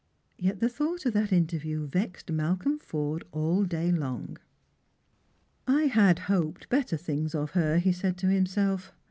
Yet the thought of that interview vexed Malcolm Forde all day long. "I had hoped better things of her," he said to himself.